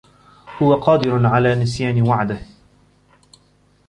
هو قادر على نسيان وعده.